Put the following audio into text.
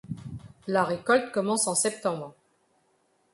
La récolte commence en septembre.